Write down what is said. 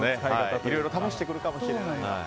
いろいろ試してくるかもしれないなと。